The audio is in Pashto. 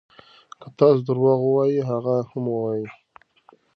که تاسو درواغ ووایئ هغه هم وایي.